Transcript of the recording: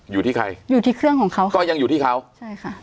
อยู่ที่ใครอยู่ที่เครื่องของเขาก็ยังอยู่ที่เขาใช่ค่ะ